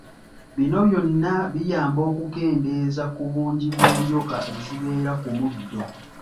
Bino byonna biyamba okukendeeza ku bungi bw’enjoka ezibeera ku muddo.